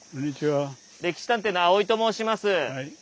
「歴史探偵」の青井と申します。